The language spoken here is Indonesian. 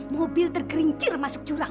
mobil tergerincir masuk curang